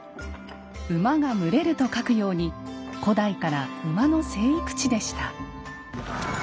「馬が群れる」と書くように古代から馬の生育地でした。